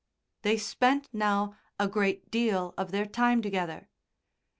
They spent now a great deal of their time together.